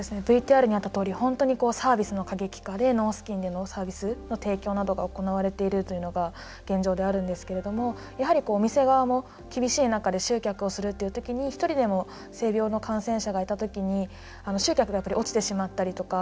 ＶＴＲにもあったように本当にサービスの過激化でＮＳ＝ノースキンでのサービスなどの提供が行われているというのが現状であるんですけどもやはり、お店側も厳しい中で集客をする中で１人でも性病の感染者がいた時に集客が落ちてしまったりだとか